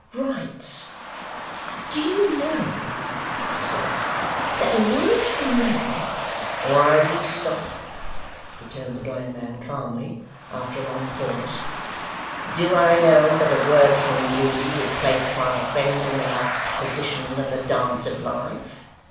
'Rights! Do you know,' she said, 'that a word from me ' 'Why do you stop?' returned the blind man calmly, after a long pause. 'Do I know that a word from you would place my friend in the last position of the dance of life?